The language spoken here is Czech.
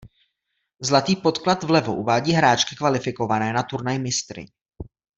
Zlatý podklad vlevo uvádí hráčky kvalifikované na Turnaj mistryň.